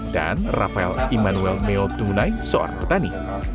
dan rafael emmanuel meo tungunai seorang petani